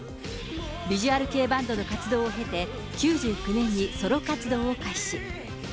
ビジュアル系バンドの活動を経て、９９年にソロ活動を開始。